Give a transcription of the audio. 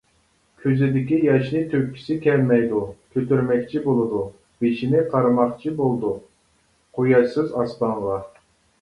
كۆزىدىكى ياشنى تۆككۈسى كەلمەيدۇ كۆتۈرمەكچى بولىدۇ بېشىنى قارىماقچى بولىدۇ قۇياشسىز ئاسمانغا.